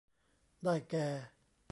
ได้แก่